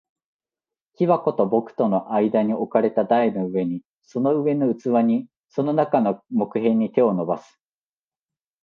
木箱と僕との間に置かれた台の上に、その上の器に、その中の木片に、手を伸ばす。